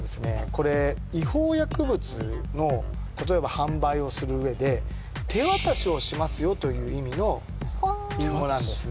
これ違法薬物の例えば販売をする上で手渡しをしますよという意味の隠語なんですね